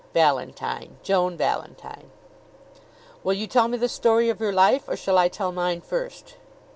"Valentine Joan Valentine." "Will you tell me the story of your life, or shall I tell mine first?"